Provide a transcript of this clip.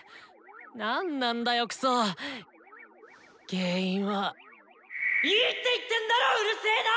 何なんだよくそっ原因は。いいって言ってんだろウルセーな！